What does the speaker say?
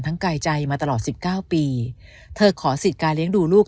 กายใจมาตลอดสิบเก้าปีเธอขอสิทธิ์การเลี้ยงดูลูก